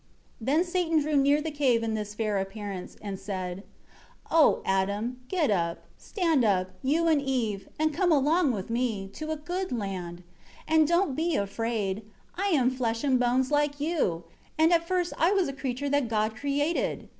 5 Then Satan drew near the cave in this fair appearance, and said: 6 "O Adam, get up, stand up, you and Eve, and come along with me, to a good land; and don't be afraid. I am flesh and bones like you; and at first I was a creature that God created.